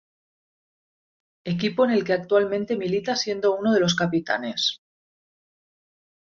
Equipo en el que actualmente milita siendo uno de los capitanes.